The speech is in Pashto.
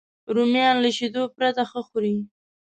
رومیان له شیدو پرته ښه خوري